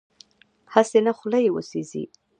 هسې نه خوله یې وسېزي.